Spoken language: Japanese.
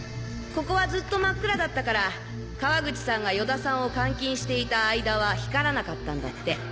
ここはずっと真っ暗だったから川口さんが与田さんを監禁していた間は光らなかったんだって。